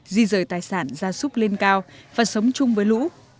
di rời tài sản gia súc lên cao và sống chung với lũ